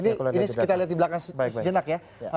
ini kita lihat di belakang sejenak ya